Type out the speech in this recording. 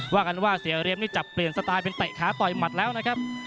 ว่ากันว่าเสียเรียมนี่จับเปลี่ยนสไตล์เป็นเตะขาต่อยหมัดแล้วนะครับ